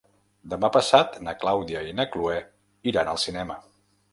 Demà passat na Clàudia i na Cloè iran al cinema.